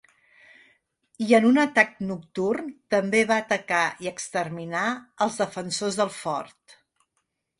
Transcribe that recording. I en un atac nocturn també va atacar i exterminar als defensors del fort.